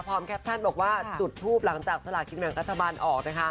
แคปชั่นบอกว่าจุดทูปหลังจากสลากินแบ่งรัฐบาลออกนะคะ